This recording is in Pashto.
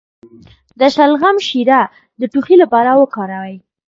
د شلغم شیره د ټوخي لپاره وکاروئ